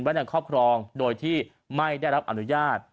ในครอบครองโดยที่ไม่ได้รับอนุญาต